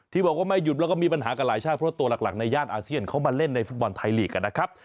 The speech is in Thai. บอกว่าไม่หยุดแล้วก็มีปัญหากับหลายชาติเพราะว่าตัวหลักในย่านอาเซียนเขามาเล่นในฟุตบอลไทยลีกนะครับ